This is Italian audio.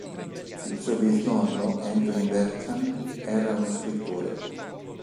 Il suo bisnonno, Anthony Bertram, era uno scrittore.